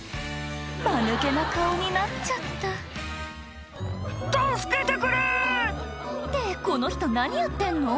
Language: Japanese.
マヌケな顔になっちゃった「助けてくれ！」ってこの人何やってんの？